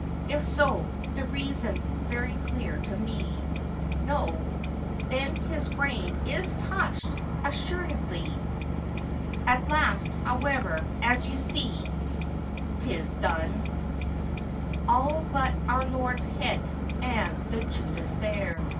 If so, the reason 's very clear to see. No? Then his brain is touched, assuredly. At last, however, as you see, 't is done, — All but our Lord's head, and the Judas there.